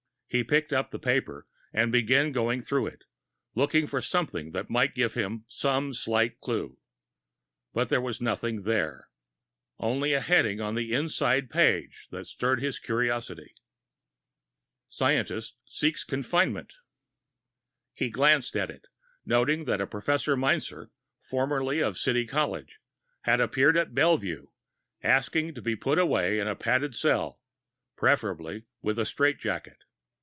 He picked up the paper and began going through it, looking for something that might give him some slight clew. But there was nothing there. Only a heading on an inside page that stirred his curiosity. Scientist Seeks Confinement He glanced at it, noting that a Professor Meinzer, formerly of City College, had appeared at Bellevue, asking to be put away in a padded cell, preferably with a strait jacket.